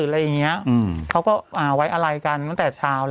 ภาครามก็ไว้อะไรกันตั้งแต่เช้า